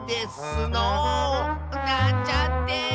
なんちゃって。